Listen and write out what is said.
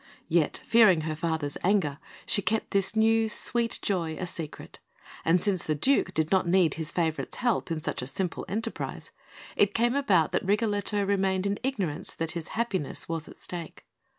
Yet, fearing her father's anger, she kept this new sweet joy a secret; and since the Duke did not need his favourite's help in such a simple enterprise, it came about that Rigoletto remained in ignorance that his happiness was at stake.